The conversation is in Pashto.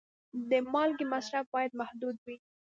د مالګې مصرف باید محدود وي.